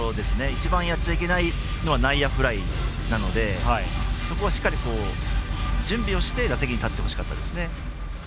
一番、やっちゃいけないのは内野フライなのでそこをしっかり準備をして打席に立ってほしかったですね。